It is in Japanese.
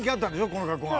この格好が。